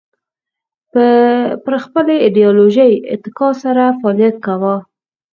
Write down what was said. پر خپلې ایدیالوژۍ اتکا سره فعالیت کاوه